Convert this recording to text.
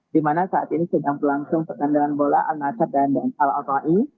dimana saat ini sedang berlangsung pertandangan bola al nasr dan al altai